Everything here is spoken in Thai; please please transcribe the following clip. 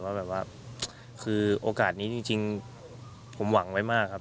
ว่าแบบว่าคือโอกาสนี้จริงผมหวังไว้มากครับ